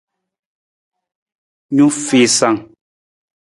Nuufiisang.